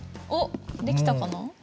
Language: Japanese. おっできたかな？